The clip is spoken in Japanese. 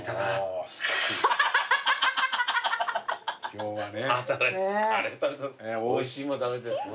今日はね。